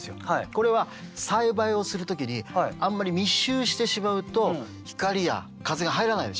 これは栽培をする時にあんまり密集してしまうと光や風が入らないでしょう？